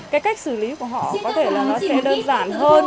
cái cách xử lý của họ thì có thể là nó sẽ đơn giản hơn